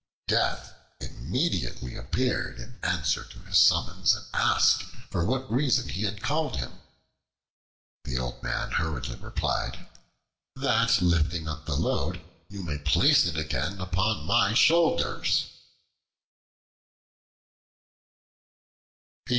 "Death" immediately appeared in answer to his summons and asked for what reason he had called him. The Old Man hurriedly replied, "That, lifting up the load, you may place it again upon my shoulders."